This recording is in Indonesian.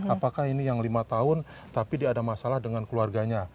apakah ini yang lima tahun tapi dia ada masalah dengan keluarganya